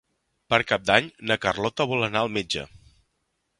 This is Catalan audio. Per Cap d'Any na Carlota vol anar al metge.